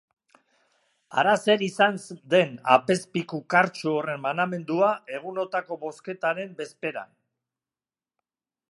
Hara zer izan den apezpiku kartsu horren manamendua egun hotako botzketaren bezperan.